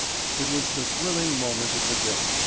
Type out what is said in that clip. ] It was the thrilling moment of the day!